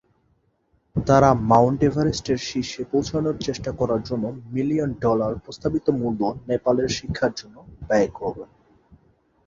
তারা মাউন্ট এভারেস্টের শীর্ষে পৌঁছানোর চেষ্টা করার জন্য এক মিলিয়ন ডলার প্রস্তাবিত মূল্য নেপালের শিক্ষার জন্য ব্যয় করবেন।